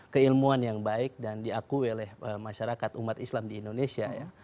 keilmuan yang baik dan diakui oleh masyarakat umat islam di indonesia ya